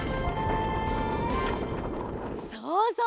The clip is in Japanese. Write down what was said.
そうそう！